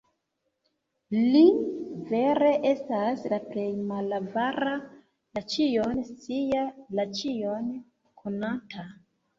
Li, vere, estas la Plej Malavara, la Ĉion-Scia, la Ĉion-Konanta.